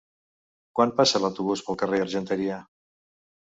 Quan passa l'autobús pel carrer Argenteria?